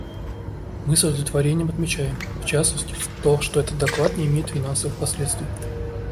Мы с удовлетворением отмечаем, в частности, то, что этот доклад не имеет финансовых последствий.